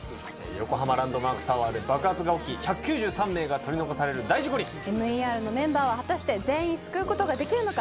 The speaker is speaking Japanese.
横浜・ランドマークタワーで爆発が起き１９３名が取り残される大事故にＭＥＲのメンバーは果たして全員救うことができるのか？